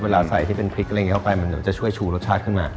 ใส่ที่เป็นพริกอะไรอย่างนี้เข้าไปมันจะช่วยชูรสชาติขึ้นมา